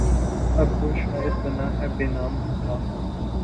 اب وہ شاعر بنا ہے بہ نام خدا